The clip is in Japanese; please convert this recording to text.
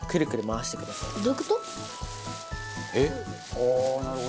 「ああーなるほど」